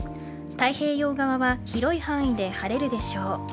太平洋側は広い範囲で晴れるでしょう。